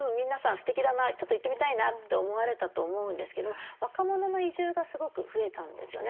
すてきだなちょっと行ってみたいなと思われたと思うんですけども若者の移住がすごく増えたんですよね。